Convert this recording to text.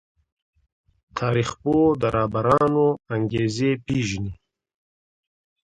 تاريخ پوه د رهبرانو انګېزې پېژني.